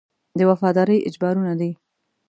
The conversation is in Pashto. د وفادارۍ اجبارونه دي.